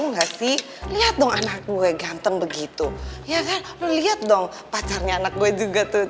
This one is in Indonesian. ngasih lihat dong anak gue ganteng begitu ya kan lo lihat dong pacarnya anak gue juga tuh